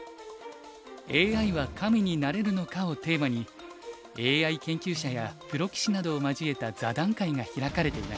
「ＡＩは神になれるのか？」をテーマにＡＩ研究者やプロ棋士などを交えた座談会が開かれていました。